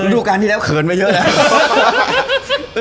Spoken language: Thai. ทุกครั้งที่แล้วเขินไปเยอะแล้ว